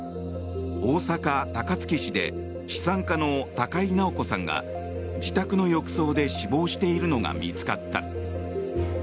大阪・高槻市で資産家の高井直子さんが自宅の浴槽で死亡しているのが見つかった。